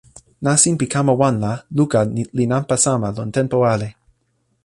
nasin pi kama wan la, luka li nanpa sama lon tenpo ale.